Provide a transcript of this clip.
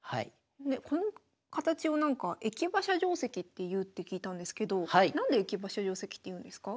この形をなんか駅馬車定跡っていうって聞いたんですけど何で駅馬車定跡っていうんですか？